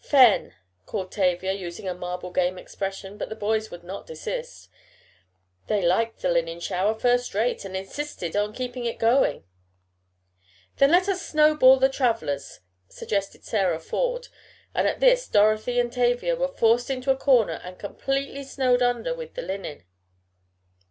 "Fen!" called Tavia, using a marble game expression, but the boys would not desist. They liked the linen shower first rate, and insisted on keeping it going. "Then let us snowball the travelers," suggested Sarah Ford, and at this Dorothy and Tavia were forced into a corner and completely snowed under with the linen.